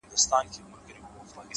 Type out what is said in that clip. بس ده د خداى لپاره زړه مي مه خوره ـ